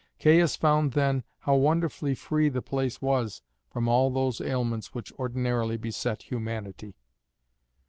Caius found then how wonderfully free the place was from all those ailments which ordinarily beset humanity.